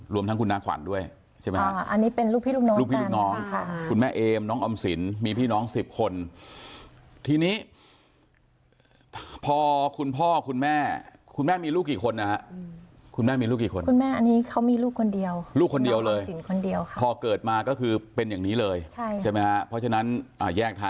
รวมทั้งคุณนาขวัญด้วยใช่ไหมฮะอันนี้เป็นลูกพี่ลูกน้องลูกพี่ลูกน้องคุณแม่เอมน้องออมสินมีพี่น้องสิบคนทีนี้พอคุณพ่อคุณแม่คุณแม่มีลูกกี่คนนะฮะคุณแม่มีลูกกี่คนคุณแม่อันนี้เขามีลูกคนเดียวลูกคนเดียวเลยสินคนเดียวค่ะพอเกิดมาก็คือเป็นอย่างนี้เลยใช่ไหมฮะเพราะฉะนั้น